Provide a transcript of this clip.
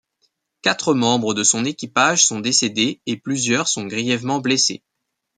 Quatre membres de son équipage sont décédés et plusieurs sont grièvement blessés.